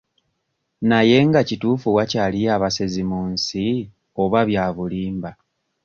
Naye nga kituufu wakyaliyo abasezi mu nsi oba bya bulimba?